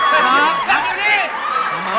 ทัพทัพอยู่นี่